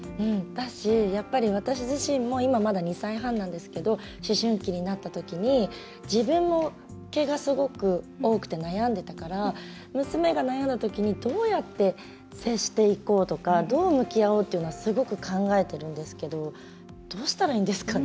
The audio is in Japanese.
やっぱり私自身も今まだ２歳半なんですけど思春期になった時に、自分も毛がすごく多くて悩んでたから娘が悩んだ時にどうやって接していこうとかどう向き合おうというのはすごく考えてるんですけどどうしたらいいんですかね。